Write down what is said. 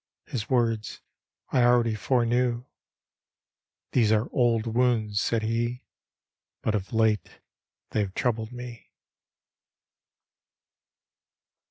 His words I already foreknew: " These are old wounds," said he, " But of late they have troubled me."